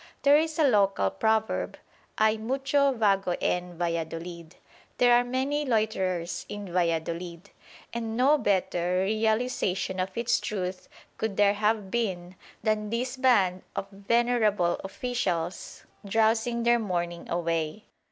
There is a local proverb, "Hay mucho vago en Valladolid" ("There are many loiterers in Valladolid"), and no better realisation of its truth could there have been than this band of venerable officials, drowsing their morning away.